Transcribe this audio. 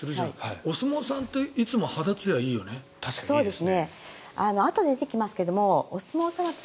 お相撲さんっていつも肌ツヤいいよね。